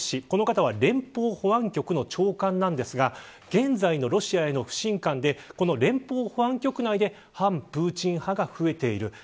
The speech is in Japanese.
この方は連邦保安局の長官ですが現在のロシアへの不信感で連邦保安局内で反プーチン派が増えている。